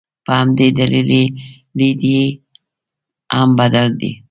په همدې دلیل لید یې هم بدل دی.